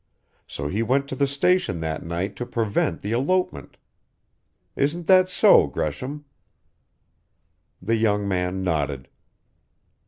So he went to the station that night to prevent the elopement. Isn't that so, Gresham?" The young man nodded.